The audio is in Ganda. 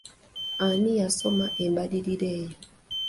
Ani yasoma embalirira eyo?